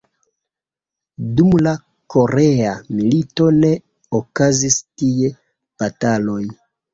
Dum la Korea milito ne okazis tie bataloj.